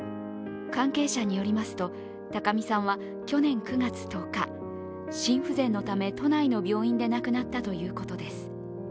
関係者によりますと、高見さんは去年９月１０日、心不全のため都内の病院で亡くなったということです。